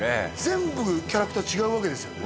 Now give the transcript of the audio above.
全部キャラクター違うわけですよね？